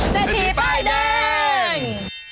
เซททีป้ายเดิ้ง